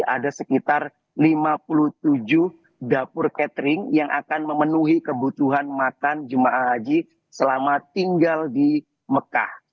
ada sekitar lima puluh tujuh dapur catering yang akan memenuhi kebutuhan makan jemaah haji selama tinggal di mekah